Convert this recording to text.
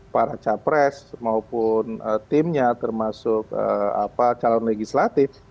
para capres maupun timnya termasuk calon legislatif